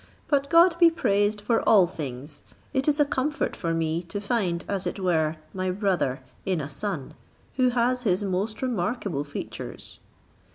But God be praised for all things! It is a comfort for me to find, as it were, my brother in a son, who has his most remarkable features."